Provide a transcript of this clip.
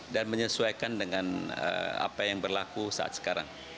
dan menyesuaikan dengan apa yang berlaku saat sekarang